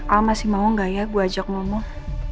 al masih mau gak ya gue ajak ngomong